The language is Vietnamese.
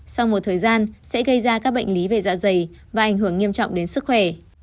sau một thời gian sẽ gây ra các bệnh lý về dạ dày và ảnh hưởng nghiêm trọng đến sức khỏe